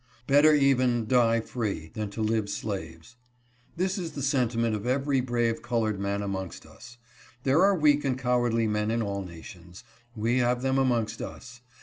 ' 'Better even die free, than to live slaves.' This is the sentiment of every brave colored man amongst us. There are weak and cowardly men in all nations. We have them amongst us.